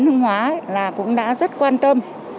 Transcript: hưng hóa cũng đã rất quan tâm